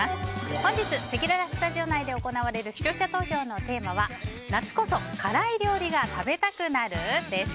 本日、せきららスタジオ内で行われる視聴者投票のテーマは夏こそ辛い料理が食べたくなる？です。